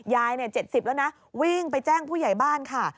ยาย๗๐แล้วนะวิ่งไปแจ้งผู้ใหญ่บ้านค่ะ